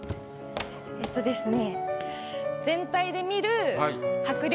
えっとですね。